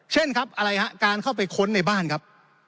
เช่นครับอะไรฮะการเข้าไปค้นในบ้านครับ